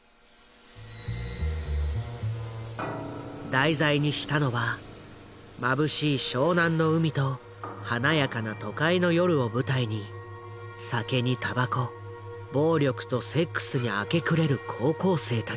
題材にしたのはまぶしい湘南の海と華やかな都会の夜を舞台に酒にたばこ暴力とセックスに明け暮れる高校生たち。